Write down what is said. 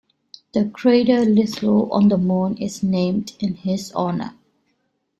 The crater Littrow on the Moon is named in his honor.